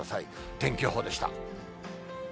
天気予報でした。